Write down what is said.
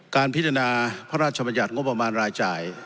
การพิจารณาพระราชบัญญัติงบประมาณรายจ่าย